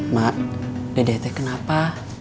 mak dede kenapa